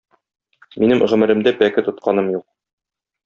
Минем гомеремдә пәке тотканым юк.